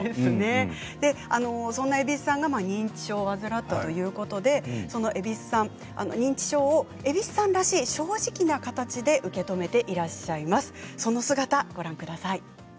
そんな蛭子さんが認知症を患ったということで認知症を蛭子さんらしい正直な形で受け止めていらっしゃいます。